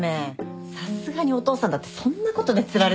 さすがにお父さんだってそんなことで釣られたり。